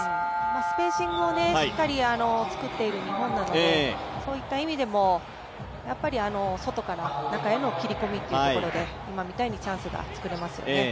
スペーシングをしっかり作っている日本なのでそういった意味でも外から中への切り込みというところで、今みたいにチャンスが作れますよね。